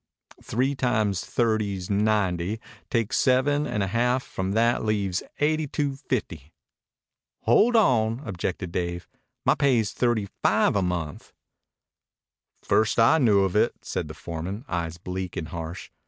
Three times thirty's ninety. Take seven and a half from that leaves eighty two fifty." "Hold on!" objected Dave. "My pay's thirty five a month." "First I knew of it," said the foreman, eyes bleak and harsh.